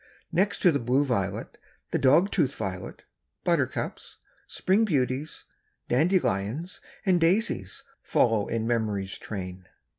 Next to the blue violet, the dog tooth violet, buttercups, spring beauties, dandelions and daisies follow in memory's train.